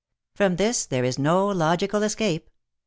From this there is no logical escape.